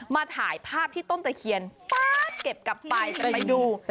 มาถ่ายภาพที่ต้นตะเคียนเก็บกลับไปไปดู